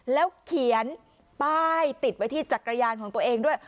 แล้วเขียนป้ายติดไว้ที่จักรยานของตัวเองด้วย